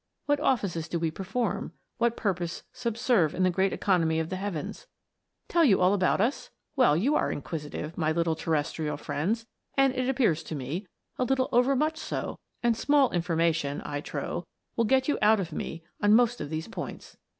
What offices do we perform what purpose subserve in the great economy of the heavens ? Tell you all about us 1 Well, you are inquisitive, my little terrestrial friends, and it ap pears to me, a little overmuch so ; and small infor mation, I trow, will you get out of me on most of these points.